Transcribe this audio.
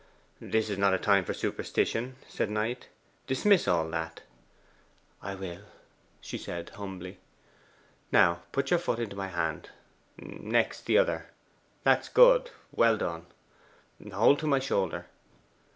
'This is not a time for superstition,' said Knight. 'Dismiss all that.' 'I will,' she said humbly. 'Now put your foot into my hand: next the other. That's good well done. Hold to my shoulder.